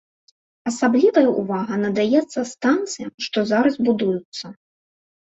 Асаблівая увага надаецца станцыям, што зараз будуюцца.